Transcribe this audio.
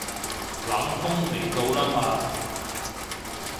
冷鋒嚟到啦嘛